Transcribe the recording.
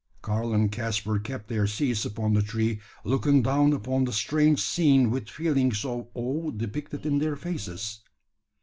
Karl and Caspar kept their seats upon the tree, looking down upon the strange scene with feelings of awe depicted in their faces.